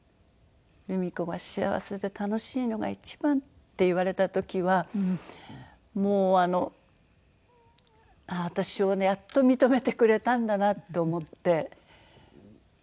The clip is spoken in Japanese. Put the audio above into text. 「ルミ子が幸せで楽しいのが一番」って言われた時はもうあの私をやっと認めてくれたんだなと思って。